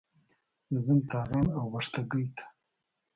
زه ځم تارڼ اوبښتکۍ ته.